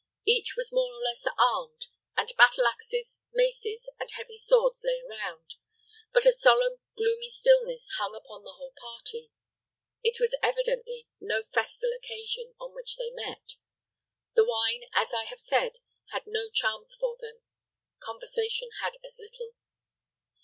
Each was more or less armed, and battle axes, maces, and heavy swords lay around; but a solemn, gloomy stillness hung upon the whole party. It was evidently no festal occasion on which they met. The wine, as I have said, had no charms for them; conversation had as little.